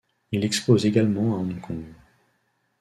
Il expose également à Hong Kong.